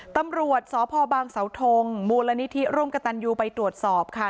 ตำรวจสพบางเสาทงมูลนิธิร่มกระตันยูไปตรวจสอบค่ะ